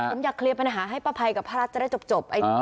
ผมอยากเคลียร์ปัญหาให้ป้าภัยกับป้ารัฐจะได้จบ